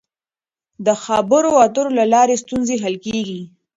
د خبرو اترو له لارې ستونزې حل کړئ.